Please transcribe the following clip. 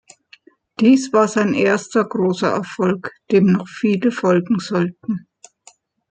Dies war sein erster großer Erfolg, dem noch viele folgen sollten.